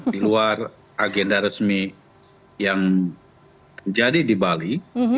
di luar agenda resmi yang terjadi di bali